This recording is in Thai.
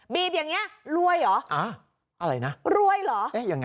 อย่างเงี้รวยเหรออ่าอะไรนะรวยเหรอเอ๊ะยังไง